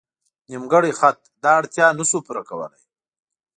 نیمګړی خط دا اړتیا نه شو پوره کولی.